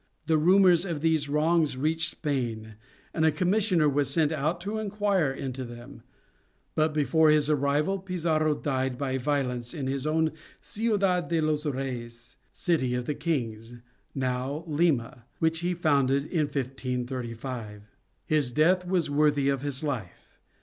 The rumors of these wrongs reached Spain, and a commissioner was sent out to inquire into them; but before his arrival Pizarro died by violence in his own Ciudad de los Reyes, "City of the Kings," now Lima, which he had founded in 1535. His death was worthy of his life.